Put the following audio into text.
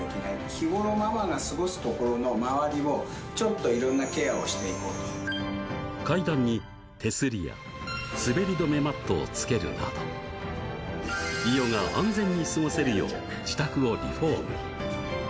日頃ママが過ごす所の周りを、ちょっといろんなケアをしていこ階段に手すりや、滑り止めマットをつけるなど、伊代が安全に過ごせるよう、自宅をリフォーム。